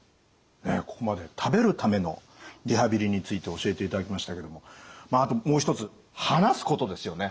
ここまで食べるためのリハビリについて教えていただきましたけどもまああともう一つ話すことですよね。